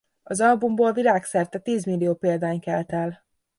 Az albumból világszerte tízmillió példány kelt el.